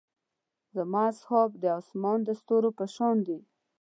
زما اصحاب د اسمان د ستورو پۀ شان دي.